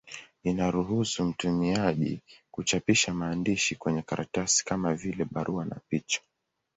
Inaruhusu mtumiaji kuchapisha maandishi kwenye karatasi, kama vile barua na picha.